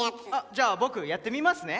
じゃあ僕やってみますね。